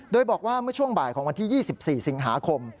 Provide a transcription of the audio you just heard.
โดยบอกว่าเมื่อช่วงบ่ายของวันที่๒๔สิงหาคม